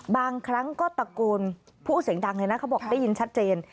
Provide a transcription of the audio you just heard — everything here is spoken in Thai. บางครั้งก็ตะโกนพูดเสียงดังเลยนะเขาบอกได้ยินชัดเจน